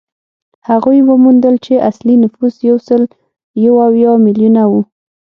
هغوی وموندل چې اصلي نفوس یو سل یو اویا میلیونه وو.